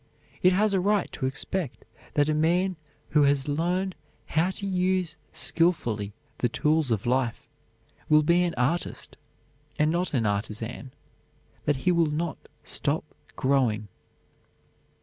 It has a right to expect that a man who has learned how to use skilfully the tools of life, will be an artist and not an artisan; that he will not stop growing.